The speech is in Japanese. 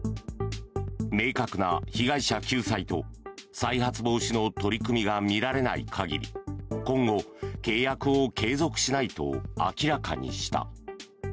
明確な被害者救済と再発防止の取り組みが見られない限り今後、契約を継続しないと明らかにした。